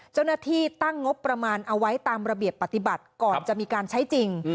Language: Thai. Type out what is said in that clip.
เจ้าหน้าที่ตั้งงบประมาณเอาไว้ตามระเบียบปฏิบัติก่อนจะมีการใช้จริง